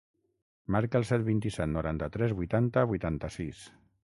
Marca el set, vint-i-set, noranta-tres, vuitanta, vuitanta-sis.